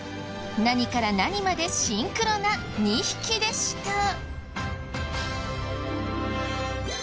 何から何までシンクロな２匹でした。